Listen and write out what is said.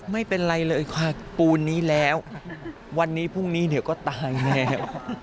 ไม่เป็นไรเลยค่ะปูนนี้แล้ววันนี้พรุ่งนี้เดี๋ยวก็ตายแล้ว